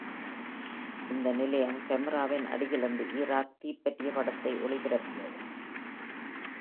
இந்த நிலையம் கேமராவின் அடியில் இருந்து ஈராக் தீ பற்றிய படத்தை ஒளிபரப்பியது.